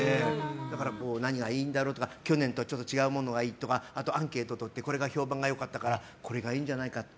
だから何がいいんだろうとか去年とは違うものがいいとかあと、アンケートとってこれが評判良かったからこれがいいんじゃないかって。